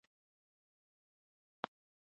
کله چې ښځه تعلیم ولري، نو پور اخیستل ورته اسانېږي.